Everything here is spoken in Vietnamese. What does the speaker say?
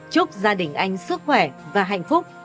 chúc gia đình anh sức khỏe và hạnh phúc